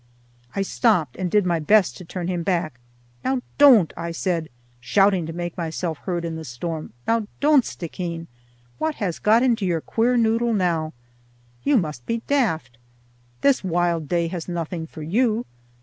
I stopped and did my best to turn him back. "Now don't," I said, shouting to make myself heard in the storm, "now don't, Stickeen. What has got into your queer noddle now? You must be daft. This wild day has nothing for you.